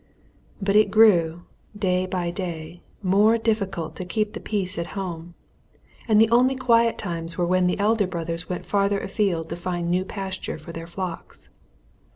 But it grew day by day more difficult to keep the peace at home, and the only quiet times were when the elder brothers went farther afield to find new pasture for their flocks.